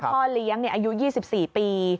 พ่อเลี้ยงอายุ๒๔ปี